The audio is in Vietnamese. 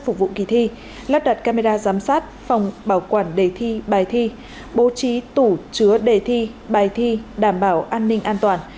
phục vụ kỳ thi lắp đặt camera giám sát phòng bảo quản đề thi bài thi bố trí tủ chứa đề thi bài thi đảm bảo an ninh an toàn